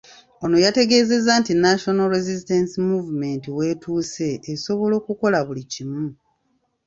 Ono yategeezezza nti National Resistance Movement w'etuuse esobola okukola buli kimu .